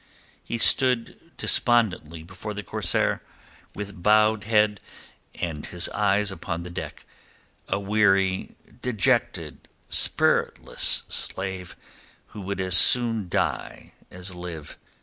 He stood despondently before the corsair, with bowed head and his eyes upon the deck, a weary, dejected, spiritless slave who would as soon die as live.